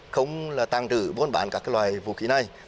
không tăng trữ buôn bán các loài vũ khí này